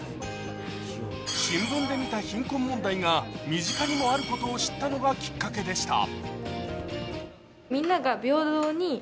新聞で見た貧困問題が身近にもあることを知ったのがきっかけでした。